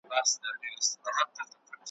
خدای خبر چي بیا به درسم پر ما مه ګوره فالونه `